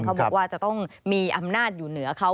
บอกว่าจะต้องมีอำนาจอยู่เหนือเขา